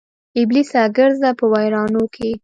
ابلیسه ګرځه په ویرانو کې